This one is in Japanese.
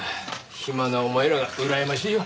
暇なお前らがうらやましいよ。